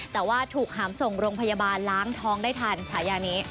แต่ว่าถูกหามส่งโรงพยาบาลล้างท้องได้ทันฉายานี้